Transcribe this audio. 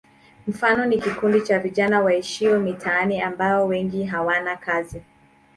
Mfano ni kikundi cha vijana waishio mitaani ambao wengi hawana kazi.